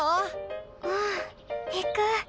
うん行く。